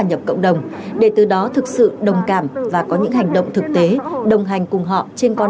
nhập cộng đồng để từ đó thực sự đồng cảm và có những hành động thực tế đồng hành cùng họ trên con